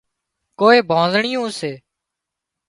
ڪوئي ڀانڻزڙيون سي